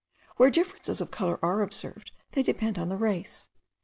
Where differences of colour are observed, they depend on the race.